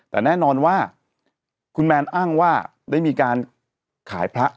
แต่แน่นอนว่าคุณแมนอ้างว่าได้มีการขายพระ